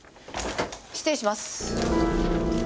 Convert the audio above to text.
失礼します。